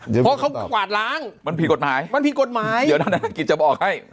เพราะเขากวาดล้างมันผิดกฎหมายมันผิดกฎหมายเดี๋ยวธนกิจจะบอกให้